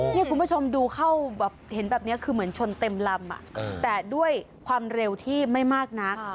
นี่คุณผู้ชมดูเข้าแบบเห็นแบบนี้คือเหมือนชนเต็มลำแต่ด้วยความเร็วที่ไม่มากนัก